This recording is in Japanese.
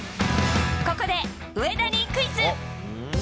ここで、上田にクイズ。